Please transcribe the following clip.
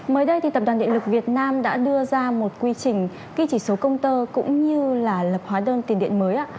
mới đây tập đoàn điện lực việt nam đã đưa ra một quy trình ghi chỉ số công tơ cũng như là lập hóa đơn tiền điện mới